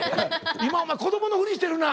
今お前子どものふりしてるな？